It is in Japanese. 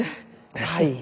はい。